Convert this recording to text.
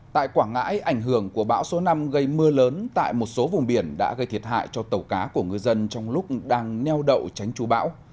tại quảng ngãi ảnh hưởng của bão số năm gây mưa lớn tại một số vùng biển đã gây thiệt hại cho tàu cá của ngư dân trong lúc đang neo đậu tránh chú bão